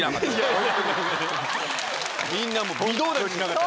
みんな微動だにしなかった。